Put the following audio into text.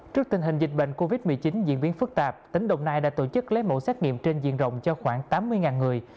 trước tình hình dịch bệnh covid một mươi chín diễn biến phức tạp tỉnh đồng nai đã tổ chức lấy mẫu xét nghiệm trên diện rộng cho khoảng tám mươi người